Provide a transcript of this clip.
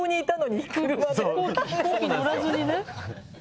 飛行機乗らずにね。